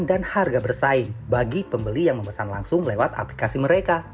dan harga bersaing bagi pembeli yang memesan langsung lewat aplikasi mereka